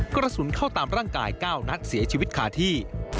กระสุนเข้าตามร่างกาย๙นัดเสียชีวิตคาที่